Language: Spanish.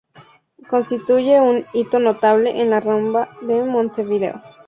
Constituye un hito notable en la Rambla de Montevideo.